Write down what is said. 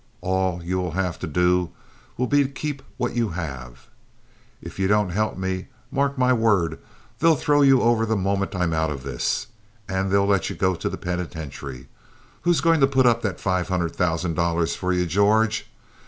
All you will have to do will be to keep what you have. If you don't help me, mark my word, they'll throw you over the moment I'm out of this, and they'll let you go to the penitentiary. Who's going to put up five hundred thousand dollars for you, George?